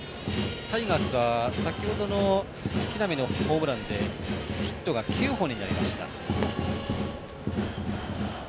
タイガースは先ほどの木浪のホームランでヒットが９本になりました。